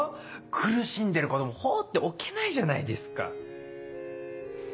苦しんでる子供放っておけないじゃないですか。